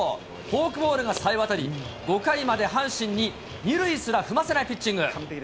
フォークボールがさえわたり、５回まで阪神に２塁すら踏ませないピッチング。